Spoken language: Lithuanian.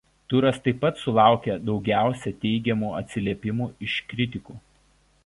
Turas taip pat sulaukė daugiausiai teigiamų atsiliepimų iš kritikų.